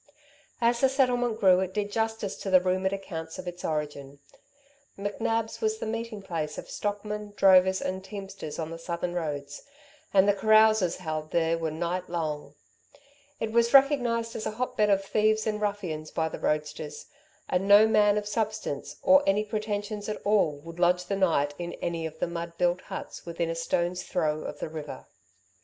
As the settlement grew, it did justice to the rumoured accounts of its origin. McNab's was the meeting place of stockmen, drovers and teamsters on the southern roads, and the carouses held there were night long. It was recognised as a hotbed of thieves and ruffians by the roadsters, and no man of substance or any pretensions at all, would lodge the night in any of the mud built huts within a stone's throw of the river.